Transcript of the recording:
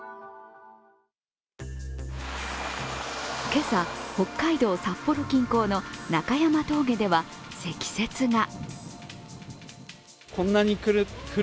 今朝、北海道・札幌近郊の中山峠では積雪が。